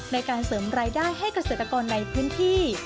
ในการเสริมรายได้ให้เกษตรกรในพื้นที่